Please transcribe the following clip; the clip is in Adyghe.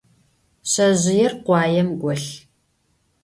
Şsezjıêr khuaêm golh.